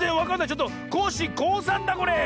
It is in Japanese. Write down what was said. ちょっとコッシーこうさんだこれ！